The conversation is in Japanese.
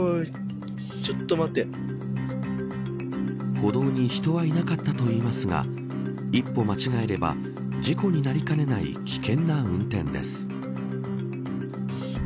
歩道に人はいなかったといいますが一歩間違えれば、事故になりかねない危険な運転です。